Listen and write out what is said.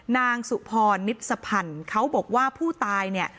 นางสุพรนิสพันธ์เขาบอกว่าผู้ตายเนี่ย